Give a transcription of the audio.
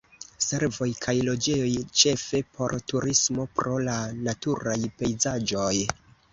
Servoj kaj loĝejoj ĉefe por turismo pro la naturaj pejzaĝoj.